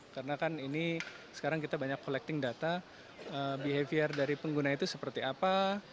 karena kan ini sekarang kita banyak collecting data behavior dari pengguna itu seperti apa